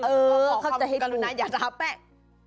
เออขอความกรุณาอย่าทาแป้ง